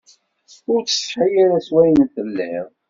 Ur ttsetḥi ara s wayen i telliḍ.